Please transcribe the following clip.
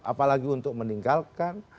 apalagi untuk meninggalkan